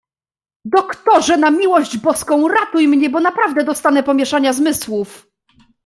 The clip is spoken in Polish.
"Doktorze, na miłość Boską, ratuj mnie, bo naprawdę dostanę pomieszania zmysłów!"